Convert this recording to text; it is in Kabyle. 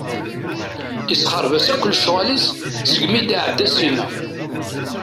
Isexreb-as akk lecɣal-is seg mi d-iɛedda syenna.